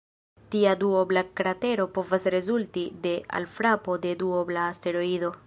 Tia duobla kratero povas rezulti de alfrapo de duobla asteroido.